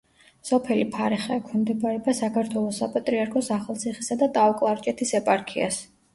სოფელი ფარეხა ექვემდებარება საქართველოს საპატრიარქოს ახალციხისა და ტაო-კლარჯეთის ეპარქიას.